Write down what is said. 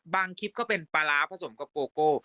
คลิปก็เป็นปลาร้าผสมกับโกโก้